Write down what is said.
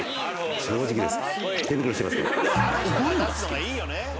正直です。